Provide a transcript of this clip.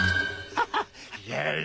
ハハッ！